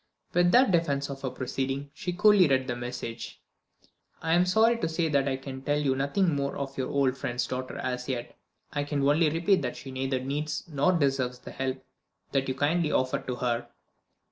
With that defense of her proceeding, she coolly read the message: "I am sorry to say that I can tell you nothing more of your old friend's daughter as yet. I can only repeat that she neither needs nor deserves the help that you kindly offer to her."